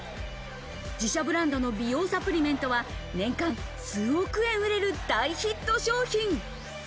自社ブランドの美容サプリメントは年間数億円売れる大ヒット商品。